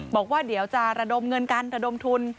บอกว่าเดี๋ยวจะระดมเงินกันระดมทุน